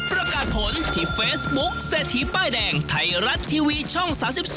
ประกาศผลที่เฟซบุ๊คเศรษฐีป้ายแดงไทยรัฐทีวีช่อง๓๒